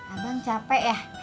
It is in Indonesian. abang capek ya